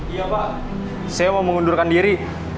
iya pak saya mau mengundurkan diri